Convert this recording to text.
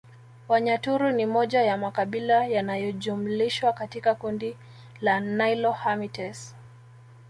Wanyaturu ni moja ya makabila yanayojumlishwa katika kundi la Nilo Hamites